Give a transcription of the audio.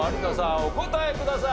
お答えください。